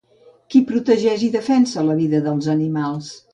Qui protegeix i defensa la vida dels animals?